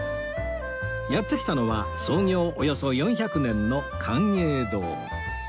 やって来たのは創業およそ４００年の寛永堂